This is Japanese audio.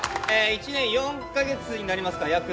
１年４か月になりますか約。